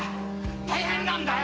大変なんだよ！